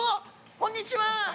こんにちは。